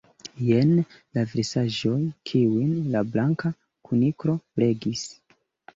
Jen la versaĵoj kiujn la Blanka Kuniklo legis.